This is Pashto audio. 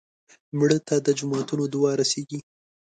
مړه ته د جوماتونو دعا رسېږي